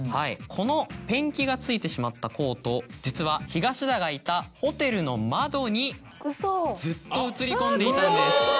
このペンキが付いてしまったコート実は東田がいたホテルの窓にずっと映り込んでいたんです。